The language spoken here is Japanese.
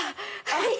はい。